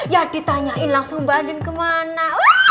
ya ditanyain langsung mbak andin kemana